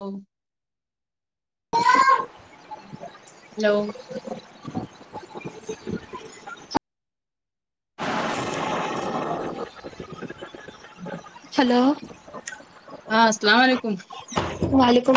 ہا ہیلو ہاں السلام علیکم وعلیکم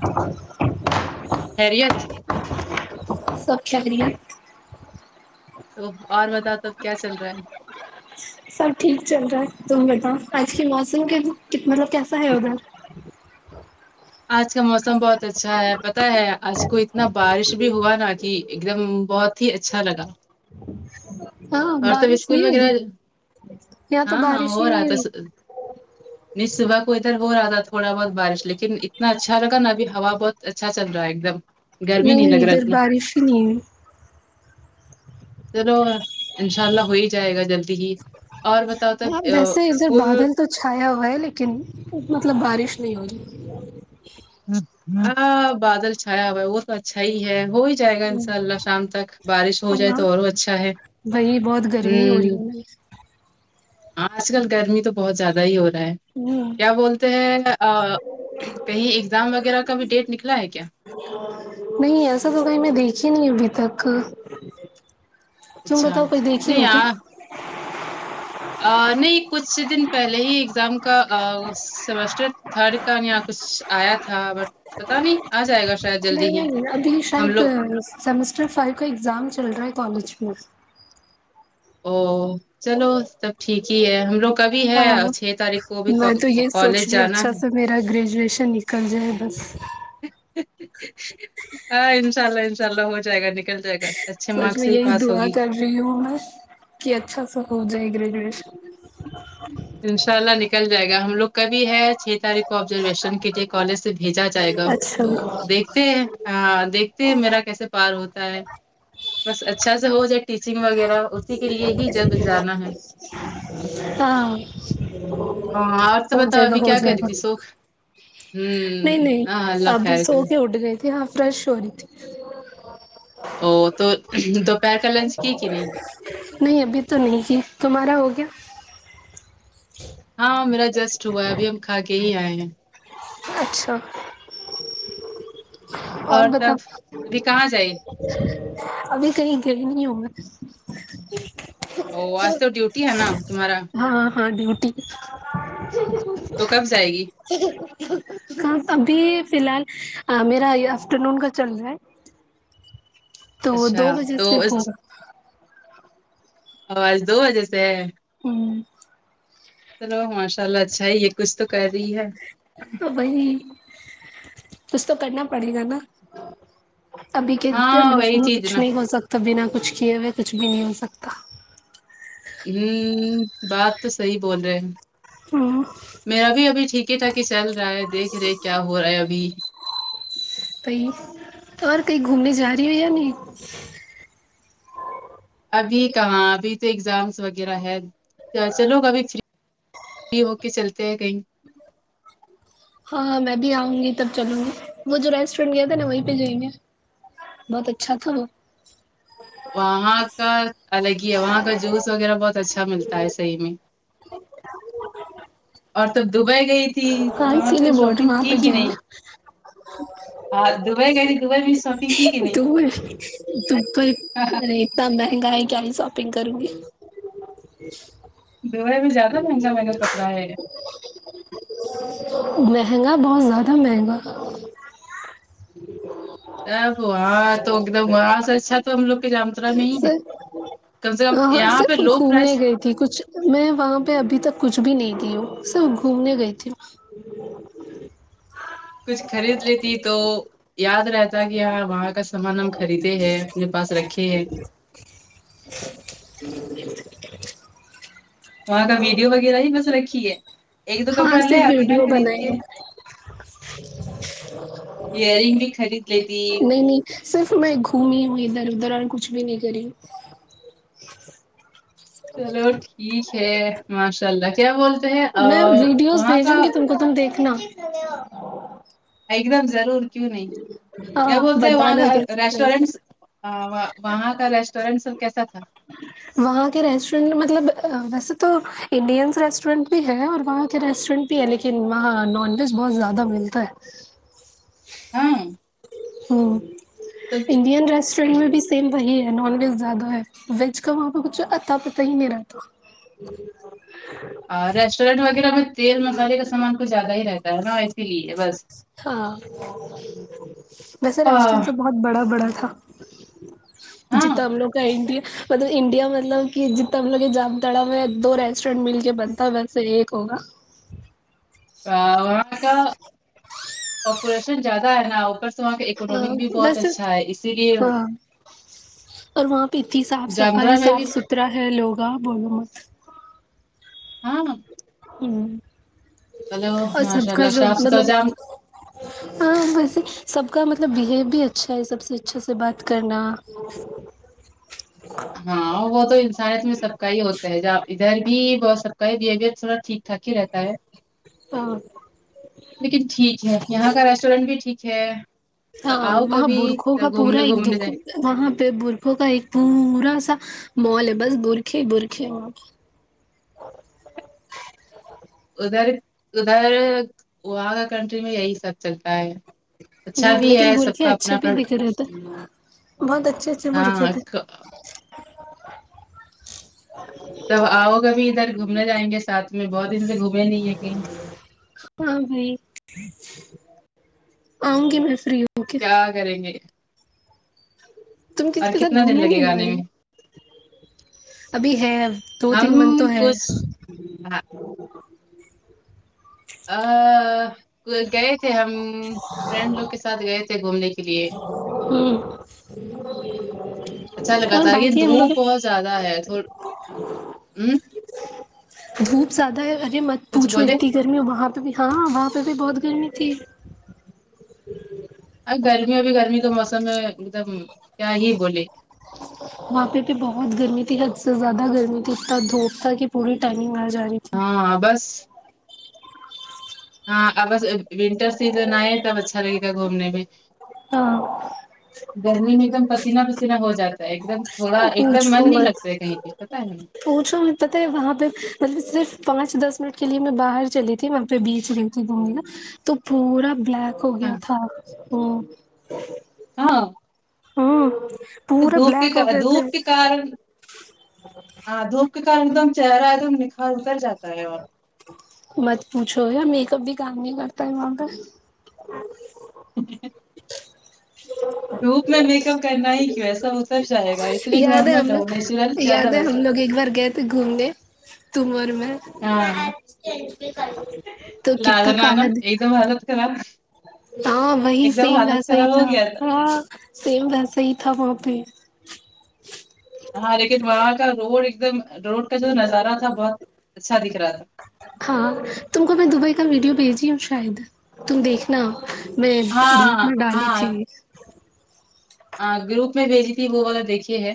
السلام خیریت سب خیریت تو اور بتاؤ سب کیا چل رہا ہے سب ٹھیک چل رہا ہے تم بتاؤ آج کے موسم کے دکھنے میں کیسا ہے ادھر آج کا موسم بہت اچھا ہے پتاہ ہے آج کو اتنا بارش بھی ہوا ن کہ ایک دم بہت ہی اچھا لگا ہاں اور تم بارش ہوئی اسکول وغیرہ ادھر گی یہاں تو ہاں بارش ہی وہ نہیں رہاتا ہوئی نہیں صبح کو ادھر ہو رہا تھا تھوڑا بہت بارش لیکن اتنا اچھا لگا نا ابھی ہوا بہت اچھا چل رہا ہے ایک دم گرمی نہیں نہیں لگ رہا ادھر اتنا بارش ہی نہیں ہے چلو انشاء اللہ ہو ہی جائے گا جلدی ہی اور بتاؤ تب ہاں ویسے ادھر اسکول بادل تو چھایا ہوا ہے لیکن مطلب بارش نہیں ہوگی ہاں بادل چھایا ہوا وہ تو اچھا ہی ہے وہی جائے گا ان شاء اللہ شام تک بارش ہو جائے تو اور وہ اچھا ہے بھائی بہت گرمی ہو رہی ہوں ہے نا آج کل گرمی تو بہت زیادہ ہی ہو رہا ہے ہوں کیا بولتے ہیں کہیں اگزام وغیرہ کا بھی ڈیٹ نکلا ہے کیا نہیں ایسا تو کہیں میں دیکھی نہیں ابھی تک تم اچھا بتاؤ کوئی دیکھی نہیں ہو کیا یار ا نہیں کچھ دن پہلے ہی ایگزام کا ا سیمسٹر تھرڈ کا یا کچھ آیا تھا بٹ پتا نہیں آ جائے گا شاید نہیں جلدی ہی نہیں ابھی ہم شاید لوگ سیمسٹر فائیو کا ایگزام چل رہا ہے کالج میں او چلو سب ٹھیک ہی ہے ہم لوگ کبھی ہے ہاں اور چھ تاریخ کو بھی میں تو یہی کالج سوچ رہی ہوں جانا اچھا ہے سے میرا گریجویشن نکل جائے بس ہاں انشاء اللہ انشاء اللہ ہو جائے گا نکل جائے گا اچھے مارکس سے ہی پاس ہوگی کی اچھا سا ہو جائے گریجویشن انشاء اللہ نکل جائے گا ہم لوگ کبھی ہے چھ تاریخ آبزرویشن کے لیے کالج سے بھیجا جائے گا اچھا تو دیکھتے ہیں ہ دیکھتے ہیں میرا کیسے پار ہوتا ہے بس اچھا سے ہو جائے ٹیچنگ وغیرہ اسی کے لیے ہی جب جانا ہے ہاں ہاں اور تو سب بتاؤ جاگا ابھی ہو کیا کر جائے رہی گا تھی سو ہوں نہیں نہیں ہاں اللہ اب خیر سو کرے کے اٹھ گئے تھی ہاں فریش ہو رہی تھی او تو دوپہر کا لنچ کی کہ نہیں نہیں ابھی تو نہیں تھی تمہارا ہو گیا ہاں میرا جسٹ ہوا ہے ابھی ہم کھا کے ہی آئے ہیں اچھا اور تب بتاؤ ابھی کہاں جائے ابھی کہیں گئے نہیں ہا او آج تو ڈیوٹی ہے نا تمہارا ہاں ہاں ڈیوٹی تو کب جائے گی ابھی فی الحال میرا یہ آفٹر نون کا چل رہا ہے تو اچھا دو بجے تو سے اس- ہوگا او آج دو وجے سے ہے ہوں چلو ماشاء اللہ اچھا ہے یہ کچھ تو کر رہی ہے تو وہی کچ تو کرنا پڑے گا نا ابھی کے ہاں جنریشن وہی میں چیز کچھ نا نہیں ہو سکتا بنا کچھ کیے ہوئے کچھ بھی نہیں ہو سکتا ہوں بات تو صحیح بول رہے ہیں ہمم میرا بھی ابھی ٹھیک ٹھاک ہی چل رہا ہے دیکھ رہے کیا ہو رہا ہے ابھی بئی اور کہیں گھومنے جا رہی ہو یہ نہیں ابھی کہاں ابھی تو ایگزامس وغیرہ ہے چلو ابھی یہ ہو کے چلتے ہیں کہیں ہاں ہاں میں بھی آؤں گی تب چلوں گی وہ جو ریسٹورینٹ گیا تھا نا وہیں پہ جائیں گے بہت اچھا تھا وہ وہاں کا الگ ہی ہے وہاں کا جوس وغیرہ بہت اچھا ملتا ہے صحیح میں اور تب دبئی گئی تھی وہاں پہ شاپنگ کی کی نہیں ج ا ہاں دبئی گئی دبئی مین شاپنگ کی کی نہیں دور دبئی ارے اتنا مہنگا ہے کیا ہی شاپنگ کروں گی ج دبئی میں بھی زیادہ مہنگا مہنگا کپڑا ہے مہنگا بہت زیادہ مہنگا ابواں تو ایک دم وہاں سے اچھا تو ہم لوگ کے جام صرف ہاں یہاں پہ صرف لو گھومنے پرائس گئے تھی تھی کچھ میں وہاں پہ ابھی تک کچھ بھی نہیں کی ہوں صرف گھومنے گئی تھی کچھ خرید لیتی تو یاد رہتا کہ ہاں وہاں کا سامان ہم خریدے ہیں اپنے پاس رکھے ہیں وہاں کا ویڈیو وغیرہ ہی بس رکھی ہے ایک دو ہاں کپڑا لے صرف آتی نا ویڈیو خرید کے بنائی ہوں ایئرنگ بھی خرید لیتی نہیں نہیں صرف میں گھومی ہوں ادھر ادھر اور کچھ بھی نہیں کری چلو ٹھیک ہے ماشاء اللہ کیا بولتے ہیں ہوں میں ویڈیوز وہاں کا بھیجوں گی تم تم دیکھنا ایک دم ضرور کیوں نہیں ہاں بولتے ہیں وہاں بتانا کا کیسے کیسے ریسٹورینٹس وہاں کا ریسٹورینٹ سب کیسا تھا وہاں کے ریسٹورینٹ مطلب ویسے تو انڈینس ریسٹورینٹ بھی ہے اور وہاں کے ریسٹورینٹ لیکن وہاں نان ویج بہت زیادہ ملتا ہے ہاں ہوں تو انڈین ریسٹورینٹ میں بھی سیم وہی ہے نان ویج زیادہ ہے ویج کا وہاں پہ کچھ اتا پتہ ہی نہیں رہتا اور ریسٹورینٹ وغیرہ میں تیل مسالے کا سامان کچھ زیادہ ہی رہتا ہے نا اسی لیے بس ہاں ویسے ریسٹورینٹ س ہاں بہت بڑا بڑا تھا جییتا ہم لوگ انڈیا ہے مطلب انڈیا مطلب کہ جتنا ہم لوگ جام تڑا ہو دو ریسٹورینٹ مل کے بنتا ہے ویسے ایک ہوگا وہاں کا پاپولیشن زیادہ ہے نوپر وہاں کا ہاں اکنامک بھی بہت ویسے اچھا ہے اسی لیے ہاں اور وہاں پہ اتنی صاف صفائی جامدرا میں صاف بھی ستھرا ہے لوگا بولو مت ہاں ہوں ہیلو اور سب ماشاء کا اللہ جو صاف مطلب ستھرا ہاں ویسے سب کا مطلب بہیو بھی اچھا ہے سب سے اچھا سے بات کرنا ہاں وہ تو انسانیت میں سب کا ہی ہوتا ہے [unintelligible] ج ڈر بھی بہت سب کا ہے بہیویئر تھوڑا ٹھیک ٹھاک ہی رہتا ہے ہاں لیکن ٹھیک ہے یہاں کا ریسٹورینٹ بھی ٹھیک ہے تو ہاں آؤ وہاں کبھی برخوں کا سب پورا گھومنے ایک گھومنے دکھ جائیں وہاں پہ برقے کا ایک پورا سا مال ہے بس برقے ہی بر قے وہاں پہ ادھر ادھر وہاں کنٹری میں یہی سب چلتا ہے ہ اچھا بھی لیکن ہے سب برقے کا اچھے اپنا بھی اپنا دکھ رہے تھے بہت اچھے اچھے بر قے ہاں تھے ک- تب آؤ کبھی ادھر گھومنے جائیں گے ساتھ میں بہت دن سے گھومیں نہیں ہے کہیں ہاں بھائی آؤں گی میں فری ہوں گی کیا کرینگے تم کسی کے ساتھ کتنا دن گھومنے لگے نہیں گا جا آنے رہی میں ابھی ہے دو تین ہم منتھ تو ہے کچھ ہاں گئے تھے ہم فرینڈ لوگ کے ساتھ گئے تھے گھومنے کے لیے ہوں اچھا لگا تھا کہ دھوپ بہت زیادہ ہے تھ ہ دھوپ زیادہ ہے ارے مت کچھ پوچھو بولے اتنی گرمی وہاں پہ بھی ہاں وہاں پہ بھی بہت گرمی تھی ا گرمی ابھی گرمی کا موسم میں ایک دم کیا ہی بولے وہاں پہ پہ بہت گرمی تھی حد سے زیادہ گرمی تھی اتا دھوپ تھا کہ پوری ٹائمنگ آ جا رہی تھی ہاں بس ہاں ا بس ونٹر سیزن آئے تب اچھا لگے گا گھومنے میں ہاں گرمی میں ایک دم پسینہ پسینہ ہو جاتا ہے ایک دم تھوڑا ایک دم پوچھو من نہیں مت لگتا ہے کہیں پ پتہ ہے پوچھو ہمیں پتہ ہے وہاں پہ مطلب صرف پانچ دس منٹ کے لیے میں باہر چلی تھی وہاں پہ بیچ مے دوں گی نا تو پورا بلیک ہو ہاں گیا تھا ہاں ہاں دھپ کے کرا دھوپ کے کارن ہاں دھپ اس کے کران ایک دم چہرہ ہے نہ نکھار اتر جاتا ہے اور مت پوچھو میک اپ بھی کام نہیں کرتا ہے وہاں پے دھوپ میں میک اپ کرنا ہی کی وسا ہوسب جائے گا اس لیے یاد ہے نارمل ہم لو نیچرل لوگ زیادہ یاد ہے بیسٹ ہم لوگ ایک بار گھومنے تم اور میں ہاں تو کتنا لادنانا کالا ایک دام حالت خراب ہاں وہی ایک دم سیم حالت ویسا ہی خراب ہو تھا گیا ہاں سیم ویسا ہی تھا وہ پہ ہاں لیکن وہاں کا روڈ ایک دم روڈ کا جو نظارہ تھا بہت اچھا دکھ رہا تھا ہاں تم کو میں دبئی کا ویڈیو بھیجی ہوں شاید تم دیکھنا میں گروپ میں ڈالی تھی ہاں گروپ میں بھیجی تھی وہ والہ دیکھیے ہے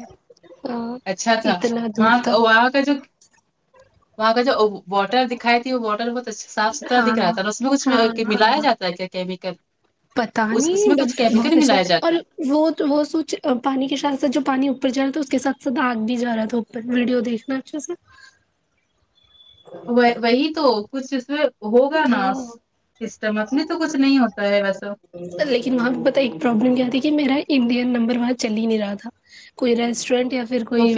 اچھا تھا اتنا وہاں دھوپ تھا کو وہا جو وہاں کا جو بارڈر دکھائی تھی وہ بارڈر بت صاف ستھرا ہاں دکھ رہا ہے اور اس میں کچھ ہاں ملایا ہاں جاتا ہے کیا کیمیکل پتا نہیں بٹ بہت اچھا اور وہ وہ سوچ پانی کے ساتھ سھ جو پانی اوپر جا رہا تھا اس کے ساتھ سھ آگ بھی جا رہا تھا پر ویڈیو دیکھنا اچھا سےر وہی تو کچھ اس ہوگا نا ہاں سسٹم اپنے تو کچھ نہیں ہوتا ہے ویسا لیکن وہاں پتہ ایک پروابلم کیا تھی کہ میرا انڈین نمبر ون چل ہی نہیں رہا تھا کوئی ریسٹورینٹ یا پھر کوئی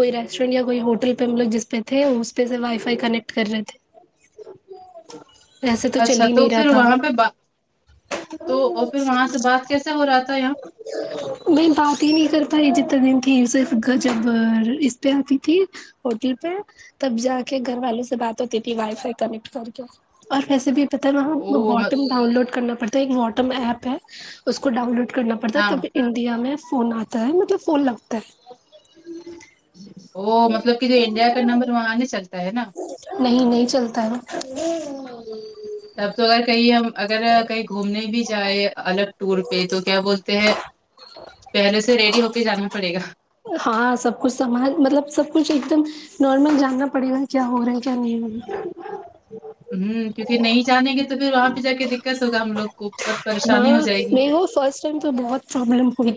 کوئی ریسٹورینٹ یا کوئی ہوٹل پہ ہم لوگ جس پہ تھے اس پہ سے وائی فائی کنیکٹ کر رہے تھے ویسے چل اچھا ہی تو نہیں رہا پھر تھا وہاں پہ بات تو پھر وہاں سے بات کیسے ہو رہا تھا یہاں میں بات ہی نہیں کر پائی جتنے دن تھی صرف گھر جب اس پہ آتی تھی ہوٹل پہ تب جا کے گھر والوں سے بات ہوتی تھی وائف کنیکٹ کر کے اور ویسے بھی پتا ہے وہاں باٹم ڈاؤن لوڈ کرنا پڑتا ایک واٹم ایپ ہے اس کو ڈاؤن لوڈ کرنا پڑتا ہے تب انڈیا میں فون آتا ہے مطلب فون لگتا ہے وہ مطلب کہ جو انڈیا کا نمبر وہاں نہیں چلتا ہے نا نہیں نہیں چلتا ہے اب تو اگر کہیں ہم اگر کہیں گھومنے بھی جائیں الگ ٹور پہ تو کیا بولتے ہیں پہلے سے ریڈی ہو کے جانا پڑے گا ہاں سب کچھ سمج مطلب سب کچھ ایک دم نارمل جاننا پڑے گا کیا ہو رہا ہے کیا نہیں ہو رہا ہمم کیونکہ نہیں جانے گے تو پھر وہاں پہ جا کے دقت ہوگا ہم لوگ کو بہت پریشانی ہاں ہو جائے گی میں وہ فرسٹ ٹائم تو بہت پرابلم ہوئی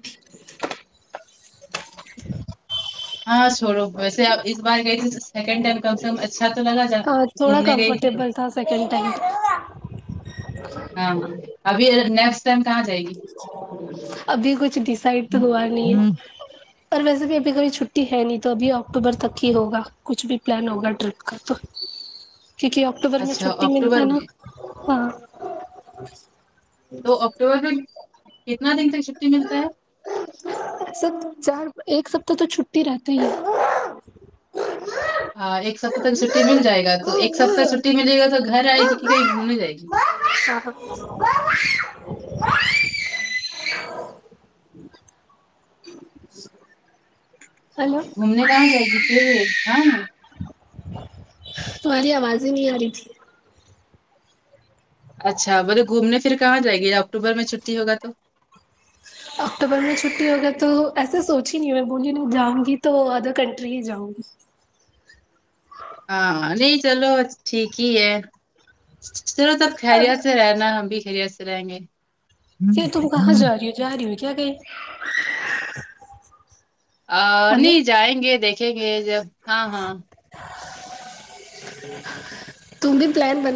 ہاں چھوڑو ویسے اپ اس بار گئی تھی سیکنڈ ٹائم کم سے کم اچھا تو لگا جا ہاں تھوڑا گھومنے گئی تھی تو کمفرٹیبل تھا سیکنڈ ٹائم ہاں ہاں ابھی نیکسٹ ٹائم کہاں جائے گی ابھی کچھ ڈسائڈ تو ہوا نہیں ہے اور ویسے بھی ابھی کبھی چھٹی ہے نہیں تو ابھی اکٹوبر تک ہی ہوگا کچھ بھی پلان ہوگا ٹرپ کا تو کیونکہ اکٹوبر میں اچھا چھٹی ملتا ہے اکتوبر نا میں ہاں تو اکٹوبر میں کتنا دن تک چھٹی ملتا ہے سب چار ایک ثابتہ تو چھٹی رہتی ہی ہے ہ ایک سپتہ تک چھٹی مل جائے گ تو ایک سپتہ ہے چھٹی ملے گا تو گھر آئے گی کہ کہیں گھومنے جائے گی [unintelligible] [inaudible] ہیلو گھومنے کہاں جائے گی پھر ہاں تمہاری آواز ہی نہیں آ رہی تھی اچھا بولو گھومنے پھر کہاں جائے گی اکٹوبر میں چھٹی ہوا تو اکتوبر میں چھٹی ہوگی تو ایسے سوچ ہی نہیں ہے میں بول لی جاؤں گی تو ادر کنٹری ہی جاؤں گی ہاں نہیں چلو ٹھیک ہی ہے چلو سب اب خیریت سے رہنا ہم بھی خیریت سے رہیں گے یہ تم کہا جارہی ہو جارہی ہو کیا کہیں بھی اہ نہیں جائیں گے دیکھیں گے جب ہاں ہاں تم بی پلان بناؤ